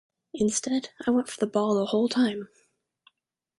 Instead, I went for the ball the whole time.